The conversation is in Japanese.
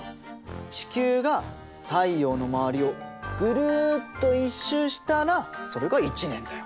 地球が太陽の周りをぐるっと１周したらそれが１年だよ。